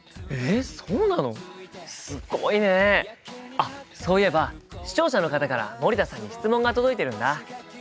あっそういえば視聴者の方から森田さんに質問が届いてるんだ。